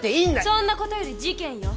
そんなことより事件よ。